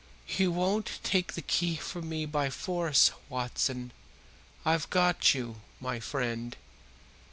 "You won't take the key from me by force, Watson, I've got you, my friend.